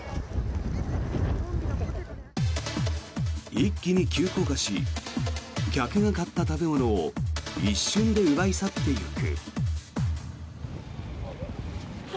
一気に急降下し客が買った食べ物を一瞬で奪い去っていく。